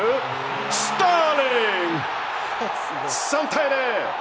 ３対０。